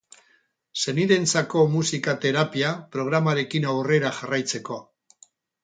Senideentzako musika-terapia programarekin aurrera jarraitzeko.